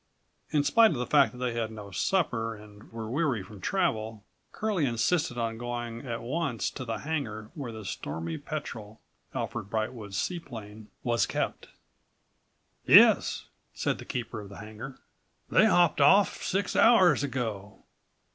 In spite of the fact that they had had no supper and were weary from travel, Curlie insisted on going at once to the hangar where the Stormy Petrel, Alfred Brightwood's seaplane, was kept. "Yes," said the keeper of the hangar, "they hopped off six hours ago.